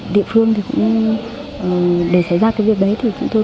địa phương thì cũng để xảy ra cái việc đấy thì chúng tôi